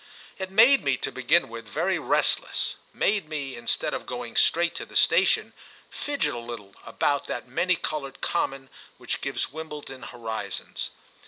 It made me, to begin with, very restless—made me, instead of going straight to the station, fidget a little about that many coloured Common which gives Wimbledon horizons.